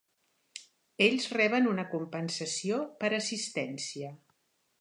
Ells reben una compensació per assistència.